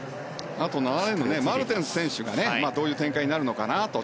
あと７レーンのマルテンス選手がどういう展開になるのかなと。